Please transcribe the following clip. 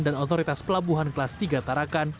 dan otoritas pelabuhan kelas tiga tarakan